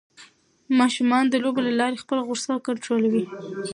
ماشومان د لوبو له لارې خپل غوسه کنټرولوي.